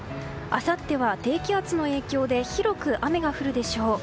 あさっては低気圧の影響で広く雨が降るでしょう。